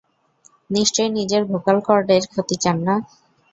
নিশ্চয় নিজের ভোকাল কর্ডের ক্ষতি চান না।